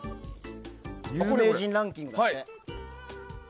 有名人ランキング。